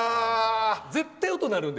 絶対音が鳴るので。